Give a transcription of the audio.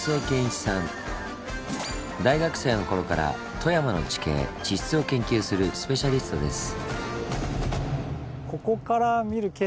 大学生の頃から富山の地形地質を研究するスペシャリストです。